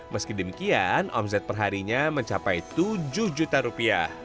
meski demikian omset perharinya mencapai tujuh juta rupiah